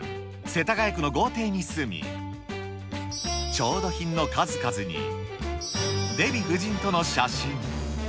世田谷区の豪邸に住み、調度品の数々に、デヴィ夫人との写真。